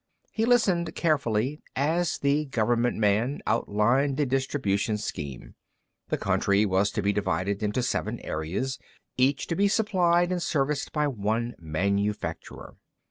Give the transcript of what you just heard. He listened carefully as the government man outlined the distribution scheme. The country was to be divided into seven areas, each to be supplied and serviced by one manufacturer.